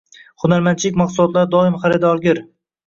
Hunarmandchilik mahsulotlari doim xaridorgir